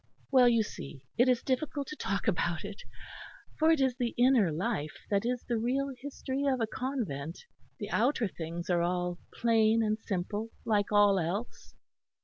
Well, you see, it is difficult to talk about it; for it is the inner life that is the real history of a convent; the outer things are all plain and simple like all else."